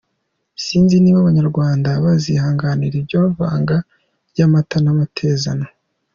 Sinzi niba abanyarwanda bazihanganira iryo vanga ry’amata n’amatezano.